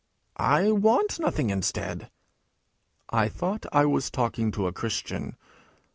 'I want nothing instead.' 'I thought I was talking to a Christian!'